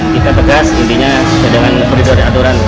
kita tegas intinya sedangkan berdiri aturan